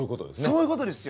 そういうことですよ。